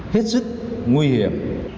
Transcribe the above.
hết sức nguy hiểm